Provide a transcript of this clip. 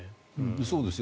そうですよ。